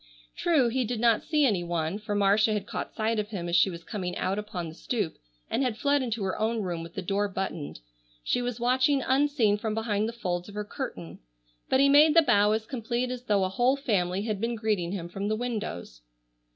True, he did not see any one, for Marcia had caught sight of him as she was coming out upon the stoop and had fled into her own room with the door buttoned, she was watching unseen from behind the folds of her curtain, but he made the bow as complete as though a whole family had been greeting him from the windows.